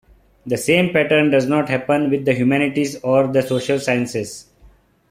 The same pattern does not happen with the humanities or the social sciences.